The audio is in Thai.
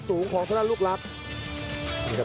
สูงของเธอด้านลูกรัก